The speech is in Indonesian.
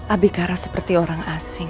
abikara seperti orang asing